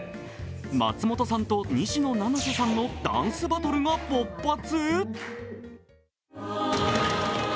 松本さんと、西野七瀬さんのダンスバトルが勃発。